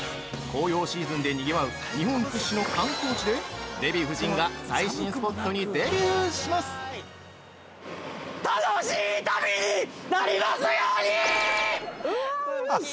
紅葉シーズンでにぎわう日本屈指の観光地でデヴィ夫人が最新スポットにデビューします。